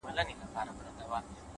د حقیقت منل پرمختګ چټکوي؛